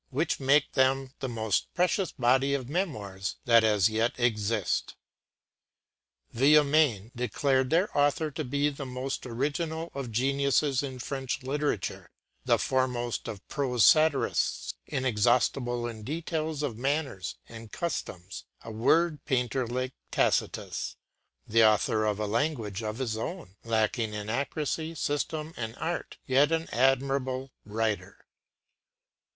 . which make them the most precious body of Memoirs that as yet exist.” Villemain declared their author to be “the most original of geniuses in French literature, the foremost of prose satirists; inexhaustible in details of manners and customs, a word painter like Tacitus; the author of a language of his own, lacking in accuracy, system, and art, yet an admirable writer.